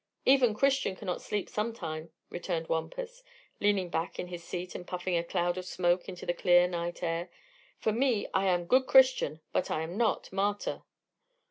"Even Christian cannot sleep sometime," returned Wampus, leaning back in his seat and puffing a cloud of smoke into the clear night air. "For me, I am good Christian; but I am not martyr."